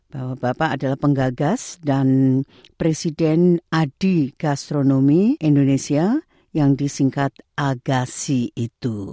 bahwa bapak adalah penggagas dan presiden adi gastronomi indonesia yang disingkat agasi itu